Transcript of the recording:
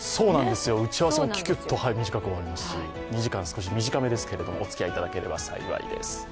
打ち合わせもきゅきゅっと早く終わりますし２時間、少し短めですけれどもおつきあいいただければ幸いです。